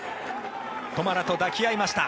トマラと抱き合いました。